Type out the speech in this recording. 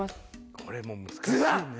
これも難しいね。